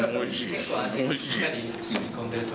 結構味がしっかりしみ込んでて。